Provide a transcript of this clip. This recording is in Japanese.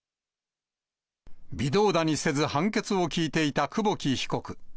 微動だにせず、判決を聞いていた久保木被告。